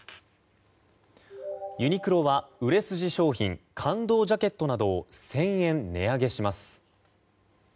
ユニクロは売れ筋商品感動ジャケットなどを１０００円、値上げします。